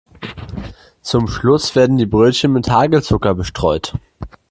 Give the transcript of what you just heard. Zum Schluss werden die Brötchen mit Hagelzucker bestreut.